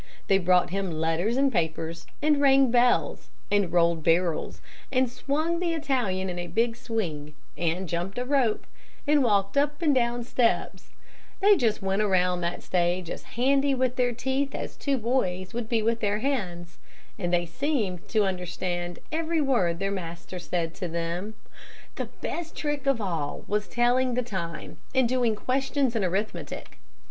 They brought him letters and papers, and rang bells, and rolled barrels, and swung the Italian in a big swing, and jumped a rope, and walked up and down steps they just went around that stage as handy with their teeth as two boys would be with their hands, and they seemed to understand every word their master said to them. "The best trick of all was telling the time and doing questions in arithmetic.